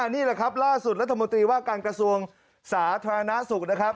นี่แหละครับล่าสุดรัฐมนตรีว่าการกระทรวงสาธารณสุขนะครับ